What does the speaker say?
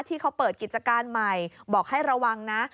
ที่เขาเปิดกิจการใหม่บอกให้ระวังนะ